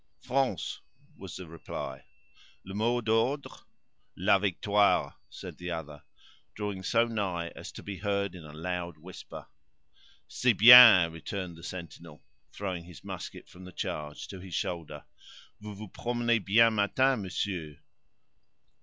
"France," was the reply. "Le mot d'ordre?" "La victorie," said the other, drawing so nigh as to be heard in a loud whisper. "C'est bien," returned the sentinel, throwing his musket from the charge to his shoulder; "vous promenez bien matin, monsieur!"